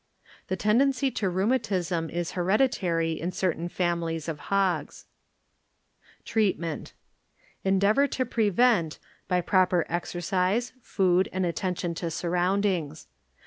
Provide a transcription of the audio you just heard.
The tendency to rheumatism is heredi tary in certain families of hogs. Treatment. ŌĆö Endeavor to prevent by proper exercise, food and attention to surroundings.